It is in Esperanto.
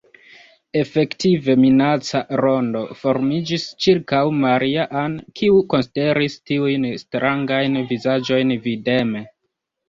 Efektive, minaca rondo formiĝis ĉirkaŭ Maria-Ann, kiu konsideris tiujn strangajn vizaĝojn videme.